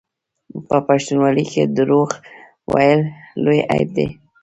په پښتونولۍ کې دروغ ویل لوی عیب دی.